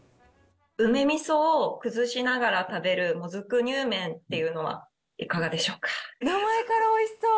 梅みそを崩しながら食べるもずくにゅうめんというのはいかが名前からおいしそう。